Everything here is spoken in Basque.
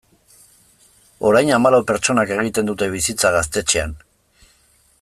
Orain hamalau pertsonak egiten dute bizitza gaztetxean.